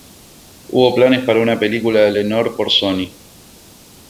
Hubo planes para una película de Lenore por Sony.